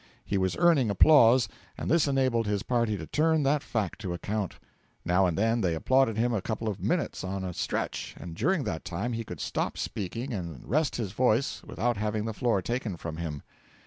He was earning applause, and this enabled his party to turn that fact to account. Now and then they applauded him a couple of minutes on a stretch, and during that time he could stop speaking and rest his voice without having the floor taken from him.